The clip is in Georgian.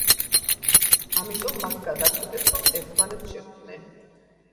ამიტომ მათ გადაწყვიტეს რომ ერთმანეთს შეხვდნენ.